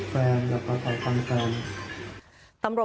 แปลงจากก็ปล่อยปลังแปลง